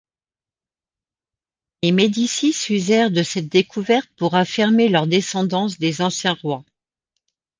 Les Médicis usèrent de cette découverte pour affirmer leur descendance des anciens rois.